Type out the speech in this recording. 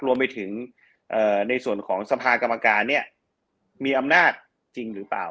รวมไปถึงในส่วนของสภากรรมการเนี่ยมีอำนาจจริงหรือเปล่า